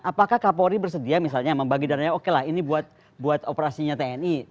apakah kapolri bersedia misalnya membagi dananya oke lah ini buat operasinya tni